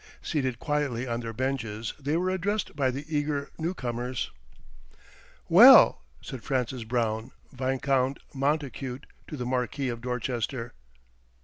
Seated quietly on their benches, they were addressed by the eager newcomers. "Well!" said Francis Brown, Viscount Montacute, to the Marquis of Dorchester.